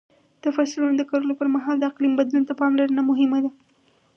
د فصلونو د کرلو پر مهال د اقلیم بدلون ته پاملرنه مهمه ده.